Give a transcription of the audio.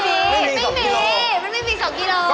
ไม่มี๒กิโล